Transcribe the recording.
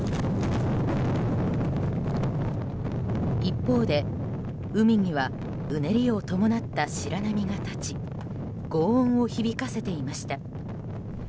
一方で、海にはうねりを伴った白波が立ち轟音を響かせていました。